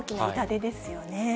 そうですよね。